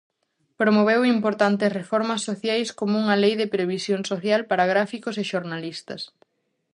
Promoveu importantes reformas sociais como unha lei de previsión social para gráficos e xornalistas.